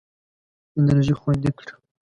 انرژي خوندي کړه.